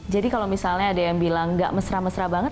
kalau misalnya ada yang bilang nggak mesra mesra banget